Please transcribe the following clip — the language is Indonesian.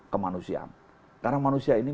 kemanusiaan karena manusia ini